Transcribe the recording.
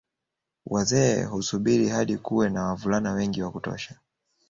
Wazee husubiri hadi kuwe na wavulana wengi wa kutosha